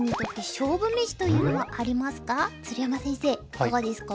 いかがですか？